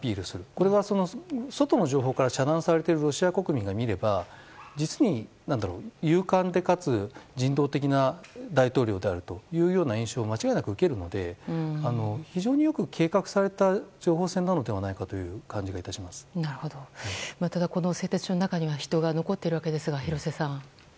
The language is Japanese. これは外の情報から遮断されているロシア国民から見れば実に勇敢でかつ人道的な大統領であるという印象を間違いなく受けるので非常によく計画された情報戦なのではないかというただ、この製鉄所の中には人が残っているわけですが廣瀬さん。